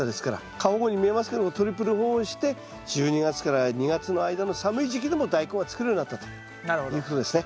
過保護に見えますけどもトリプル保温して１２月から２月の間の寒い時期でもダイコンが作れるようになったということですね。